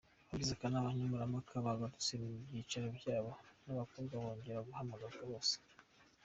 Abagize akanama nkemurampaka bagarutse mu byicaro byabo, n’abakobwa bongera guhamagazwa bose.